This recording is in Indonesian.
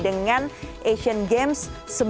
dengan asian games seribu sembilan ratus enam puluh dua